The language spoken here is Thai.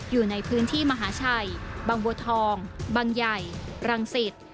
อยู่ในพื้นที่มหาชัยบางบัวทองบังใหญ่รังสิต